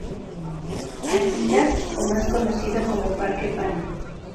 Artigas, o más conocido como Parque Pando.